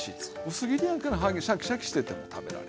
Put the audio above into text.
薄切りやからシャキシャキしてても食べられる。